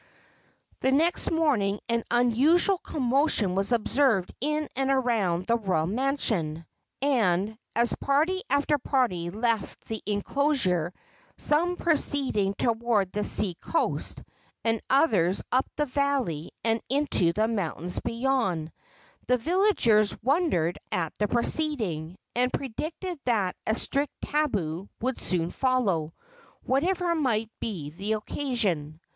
The next morning an unusual commotion was observed in and around the royal mansion, and as party after party left the inclosure some proceeding toward the sea coast, and others up the valley and into the mountains beyond the villagers wondered at the proceeding, and predicted that a strict tabu would soon follow, whatever might be the occasion.